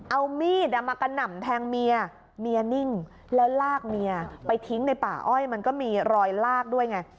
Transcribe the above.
เอามีดมากระหน่ำแทงเมียเมียนิ่งแล้วลากเมียไปทิ้งในป่าอ้อยมันก็มีรอยลากด้วยไง